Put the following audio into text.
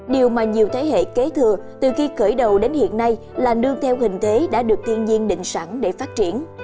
điều mà nhiều thế hệ kế thừa từ khi khởi đầu đến hiện nay là nương theo hình thế đã được thiên nhiên định sẵn để phát triển